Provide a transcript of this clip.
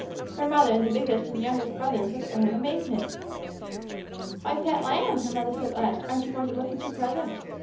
Her mother and the biggest and the youngest brothers looked at her in amazement. "Why, pet lamb," her mother said at last, "aren't you going to look at your presents?"